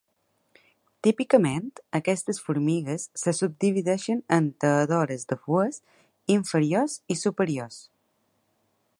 Típicament, aquestes formigues se subdivideixen en talladores de fulles "inferiors" i "superiors".